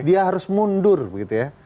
dia harus mundur begitu ya